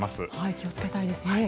気をつけたいですね。